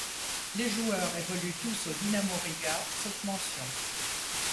Les joueurs évoluent tous au Dinamo Riga sauf mention.